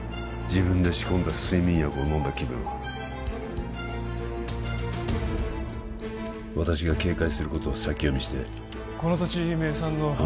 自分で仕込んだ睡眠薬を飲んだ気分は私が警戒することを先読みしてこの土地名産の